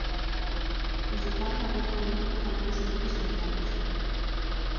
E se cadra agora tamén toca falar de servizos sanitarios.